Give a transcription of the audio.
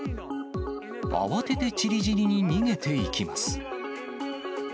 慌ててちりぢりに逃げていきます。